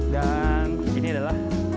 dan ini adalah